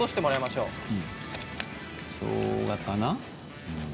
しょうがかな。